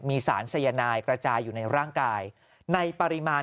มีสารสายนายกระจายอยู่ในร่างกายในปริมาณ